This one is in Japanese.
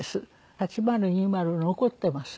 ８０２０残ってます。